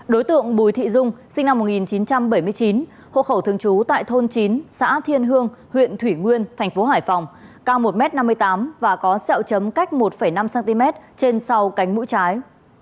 đối tượng bùi thị dung sinh năm một nghìn chín trăm bảy mươi chín hộ khẩu thường trú tại thôn chín xã thiên hương huyện thủy nguyên thành phố hải phòng cao một m năm mươi tám và có sẹo chấm cách một năm cm trên sau cánh mũi trái